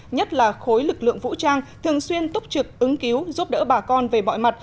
nhất là khối lực lượng vũ trang thường xuyên túc trực ứng cứu giúp đỡ bà con về mọi mặt